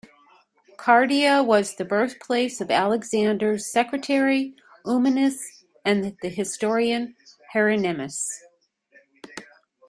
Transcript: Cardia was the birthplace of Alexander's secretary Eumenes and of the historian Hieronymus.